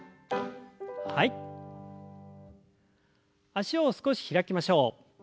脚を少し開きましょう。